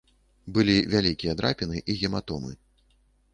Былі вялікія драпіны і гематомы.